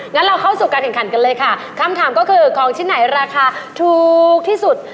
งั้นเราเข้าสู่การแข่งขันกันเลยค่ะคำถามก็คือของชิ้นไหนราคาถูกที่สุด